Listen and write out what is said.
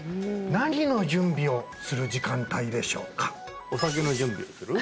何の準備をする時間帯でしょうか？